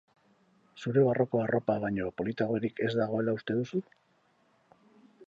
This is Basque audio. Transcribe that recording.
Zure barruko arropa baino politagorik ez dagoela uste duzu?